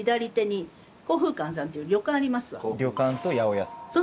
旅館と八百屋さん。